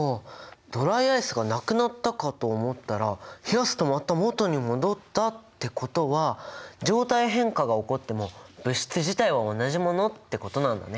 ドライアイスがなくなったかと思ったら冷やすとまたもとに戻ったってことは「状態変化が起こっても物質自体は同じもの」ってことなんだね。